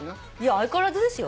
相変わらずですよ。